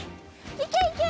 いけいけ！